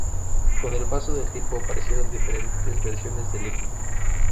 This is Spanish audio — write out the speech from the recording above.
Con el paso del tiempo aparecieron diferentes versiones del himno.